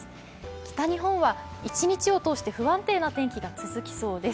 北日本は一日を通して不安定な天気が続きそうです。